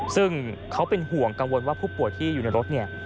ซึ่งเขาเป็นห่วงกังวลว่าผู้ป่วยที่อยู่ในรถเนี่ย